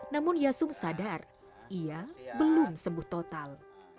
namun yasum sadar ia belum sembuh total